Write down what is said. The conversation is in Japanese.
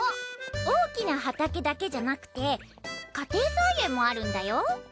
大きな畑だけじゃなくて家庭菜園もあるんだよ。